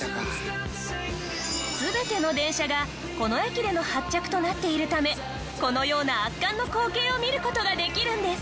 全ての電車がこの駅での発着となっているためこのような圧巻の光景を見る事ができるんです。